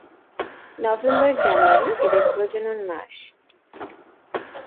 নভেম্বর-জানুয়ারি এদের প্রজনন মাস।